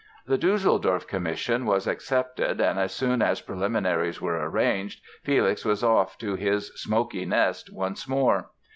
The Düsseldorf commission was accepted and as soon as preliminaries were arranged Felix was off to his "smoky nest" once more.